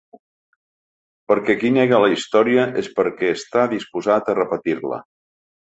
Perquè qui nega la història és perquè està disposat a repetir-la.